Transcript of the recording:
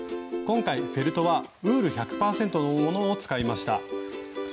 今回フェルトはウール１００％のものを使いました。